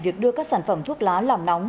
việc đưa các sản phẩm thuốc lá làm nóng